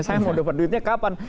saya mau dapat duitnya kapan